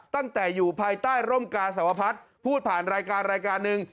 ตั้งแต่อยู่ภายใต้ร่มกาสวพัฒน์พูดผ่านรายการรายการหนึ่ง